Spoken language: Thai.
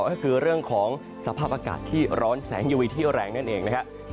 ก็คือเรื่องของสภาพอากาศที่ร้อนแสงยูวีที่แรงนั่นเองนะครับ